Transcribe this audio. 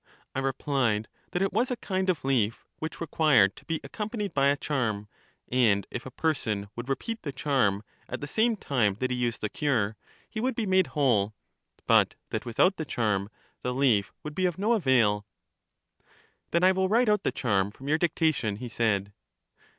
I replied that it was a kind of leaf, which required to be accompanied by a charm, and if a person would CHARMIDES 11 repeat the charm at the same time that he used the cure, he would be made whole; but that without the charm the leaf would be of no avail. Then I will write out the charm from your dicta tion, he said.